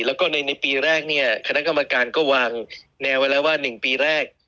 แล้วก็ในปีแรกเนี่ยคณะกรรมการก็วางแนวไว้แล้วว่า๑ปีแรก